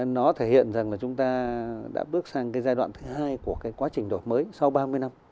nó thể hiện rằng là chúng ta đã bước sang cái giai đoạn thứ hai của cái quá trình đổi mới sau ba mươi năm